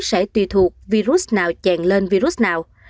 sẽ tùy thuộc virus nào chèn lên virus nào